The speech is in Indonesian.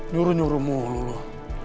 nyuruh nyuruh mulu lo